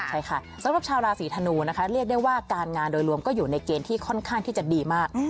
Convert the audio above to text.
ใช่ค่ะสำหรับชาวราศีธนูนะคะเรียกได้ว่าการงานโดยรวมก็อยู่ในเกณฑ์ที่ค่อนข้างที่จะดีมาก